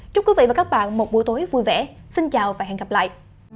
chúc quý vị và các bạn một buổi tối vui vẻ xin chào và hẹn gặp lại